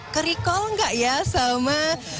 kerikol gak ya sama